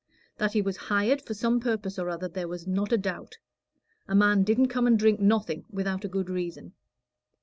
That he was hired for some purpose or other there was not a doubt; a man didn't come and drink nothing without a good reason.